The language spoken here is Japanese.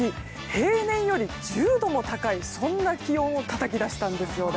平年より１０度も高い気温をたたき出したんですよね。